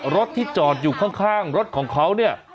รถที่จอดอยู่ข้างรถของเขาเนี่ย